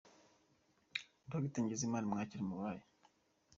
Dr. Ngeze Imana imwakire mu bayo.